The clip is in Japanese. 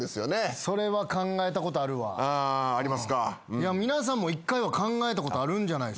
いや皆さんも１回は考えたことあるんじゃないっすか。